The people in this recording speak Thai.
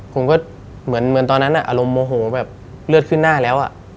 ผมก็เหมือนตอนนั้นอารมณ์โมโหแบบเลือดขึ้นหน้าแล้ว